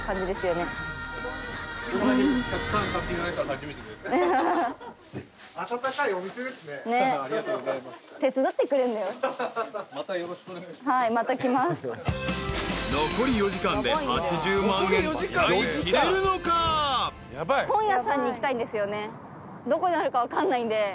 どこにあるか分かんないんで。